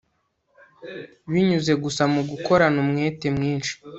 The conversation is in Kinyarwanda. binyuze gusa mu gukorana umwete mwinshi